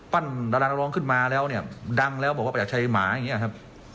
ปั้นดาราลองขึ้นมาแล้วเนี่ยดังแล้วบอกว่าประจักรชัยหมาอย่างเงี้ยครับ